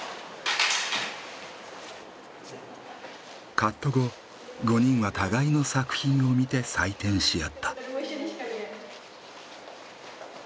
カット後５人は互いの作品を見て採点し合った。